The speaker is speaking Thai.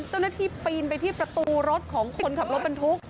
เจ้าหน้าที่ปินไปที่ประตูรถของคนขับรถบันทุกใร่